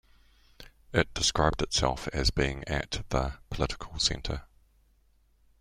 It described itself as being at the political centre.